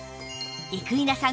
生稲さん